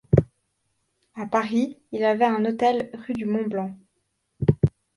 A Paris, il avait un hôtel rue du Mont-Blanc.